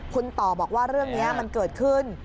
คุณต่อบอกว่าเรื่องนี้มันเกิดขึ้น